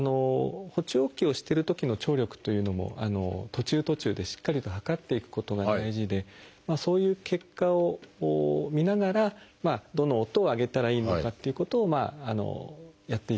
補聴器をしてるときの聴力というのも途中途中でしっかりと測っていくことが大事でそういう結果を見ながらどの音を上げたらいいのかっていうことをやっていく。